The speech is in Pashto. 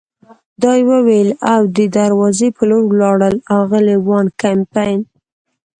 دا یې وویل او د دروازې په لور ولاړل، اغلې وان کمپن.